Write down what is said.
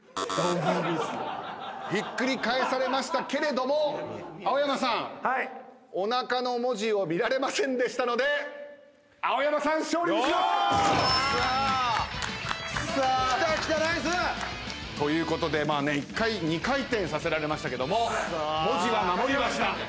ひっくり返されましたけれども青山さんおなかの文字を見られませんでしたので青山さん勝利！クッソ！きたきたナイス！ということで１回２回転させられましたけども文字は守りました。